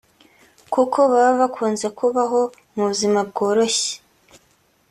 kuko baba bakunze kubaho mu buzima bworoshye